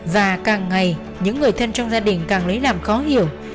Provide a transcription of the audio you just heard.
và càng ngày những người thân trong gia đình càng lấy làm khó hiểu